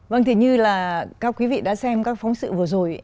vâng thì như là các quý vị đã xem các phóng sự vừa rồi